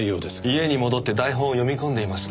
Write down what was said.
家に戻って台本を読み込んでいました。